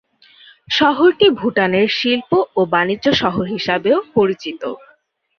শহরটি ভুটানের শিল্প ও বাণিজ্য শহর হিসাবেও পরিচিত।